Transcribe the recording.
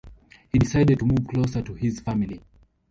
He decided to move closer to his family.